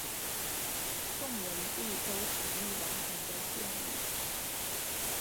宋文帝都同意王弘的建议。